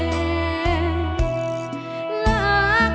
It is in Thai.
เพลงที่สองเพลงมาครับ